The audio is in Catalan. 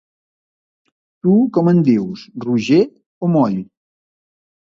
Tu com en dius: roger o moll?